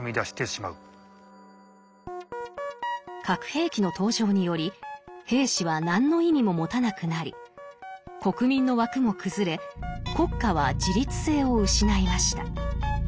核兵器の登場により兵士は何の意味も持たなくなり国民の枠も崩れ国家は自律性を失いました。